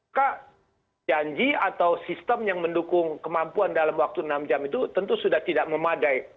maka janji atau sistem yang mendukung kemampuan dalam waktu enam jam itu tentu sudah tidak memadai